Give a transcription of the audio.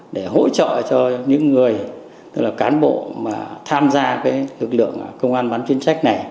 để hỗ trợ cho những người tức là cán bộ mà tham gia lực lượng công an bán chuyên trách này